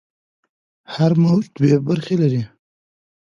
هر موج دوې برخې لري.